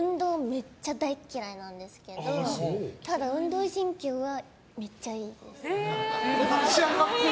めっちゃ大嫌いなんですけどただ、運動神経はめっちゃいいです。